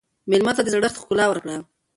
مېلمه ته د زړښت ښکلا ورکړه.